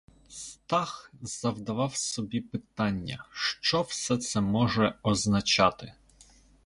Стах завдавав собі питання, що все це може означати?